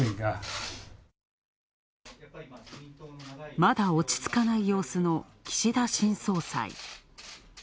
まだ落ち着かない様子の岸田新総裁。